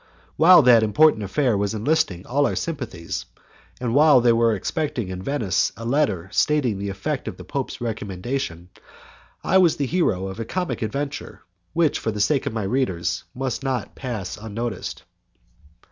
While that important affair was enlisting all our sympathies, and while they were expecting in Venice a letter stating the effect of the Pope's recommendation, I was the hero of a comic adventure which, for the sake of my readers, must not pass unnoticed.